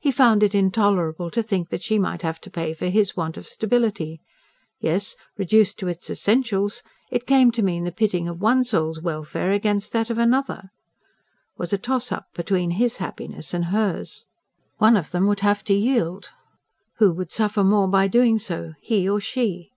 He found it intolerable to think that she might have to pay for his want of stability. Yes, reduced to its essentials, it came to mean the pitting of one soul's welfare against that of another; was a toss up between his happiness and hers. One of them would have to yield. Who would suffer more by doing so he or she?